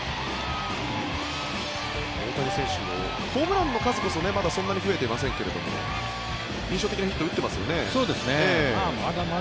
大谷選手もホームランの数こそまだそんなに増えていませんが印象的なヒットを打ってますよね。